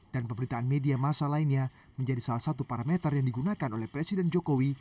dan pemberitaan media masa lainnya menjadi salah satu parameter yang digunakan oleh presiden jokowi